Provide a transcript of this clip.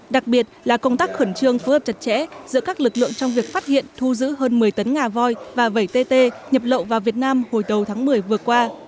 đặc biệt là công tác khẩn trương phối hợp chặt chẽ giữa các lực lượng trong việc phát hiện thu giữ hơn một mươi tấn ngà voi và vẩy tt nhập lậu vào việt nam hồi đầu tháng một mươi vừa qua